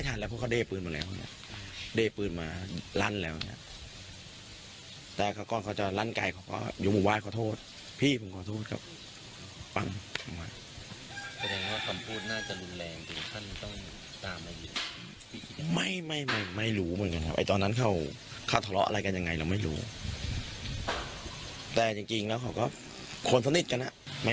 แต่จริงคอยแตะนิดกันนะ